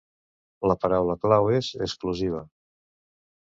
La paraula clau és «exclusiva»!